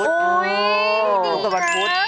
หนูเกิดวันพูด